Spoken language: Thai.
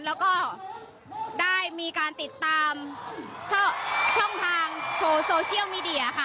แล้วก็ได้มีการติดตามช่องทางโชว์โซเชียลมีเดียค่ะ